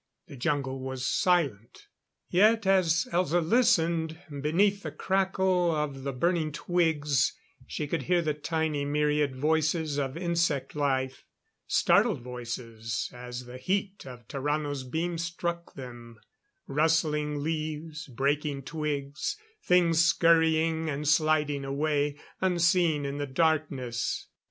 The jungle was silent; yet, as Elza listened, beneath the crackle of the burning twigs she could hear the tiny myriad voices of insect life. Startled voices as the heat of Tarrano's beam struck them. Rustling leaves; breaking twigs; things scurrying and sliding away, unseen in the darkness.